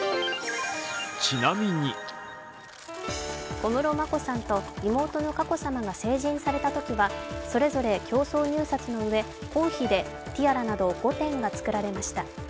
小室眞子さんと妹の佳子さまが成人されたときには、それぞれ競争入札のうえ、公費でティアラなど５点が作られました。